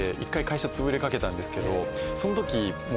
その時。